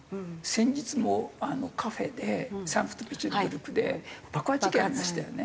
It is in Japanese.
先日もカフェでサンクトペテルブルクで爆破事件ありましたよね。